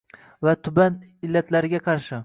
va tuban illatlariga qarshi